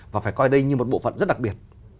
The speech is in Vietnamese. và phải coi đây như một bộ phận rất đặc biệt